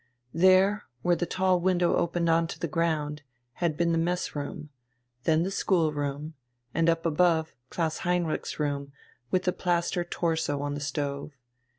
There, where the tall window opened on to the ground, had been the mess room, then the school room, and up above Klaus Heinrich's room with the plaster torso on the stove.